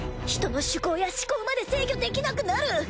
人の趣向や思考まで制御できなくなる！